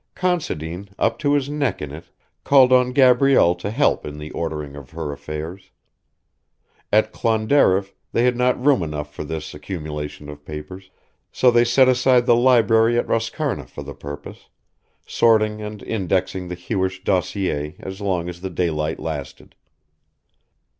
Considine, up to his neck in it, called on Gabrielle to help in the ordering of her affairs. At Clonderriff they had not room enough for this accumulation of papers, so they set aside the library at Roscarna for the purpose, sorting and indexing the Hewish dossier as long as the daylight lasted.